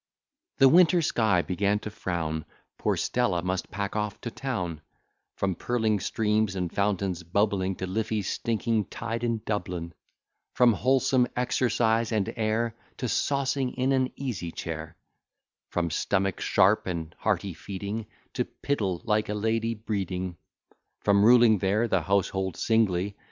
The winter sky began to frown: Poor Stella must pack off to town; From purling streams and fountains bubbling, To Liffey's stinking tide in Dublin: From wholesome exercise and air To sossing in an easy chair: From stomach sharp, and hearty feeding, To piddle like a lady breeding: From ruling there the household singly.